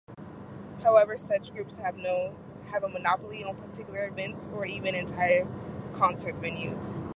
However, such groups have a monopoly on particular events or even entire concert venues.